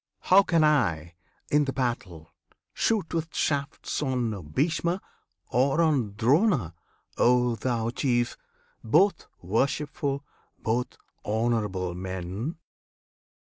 How can I, in the battle, shoot with shafts On Bhishma, or on Drona O thou Chief! Both worshipful, both honourable men?